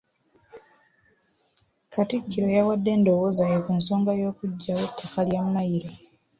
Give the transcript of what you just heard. Katikkiro yawadde endowooza ye ku nsonga y'okuggyawo ettaka lya Mmayiro.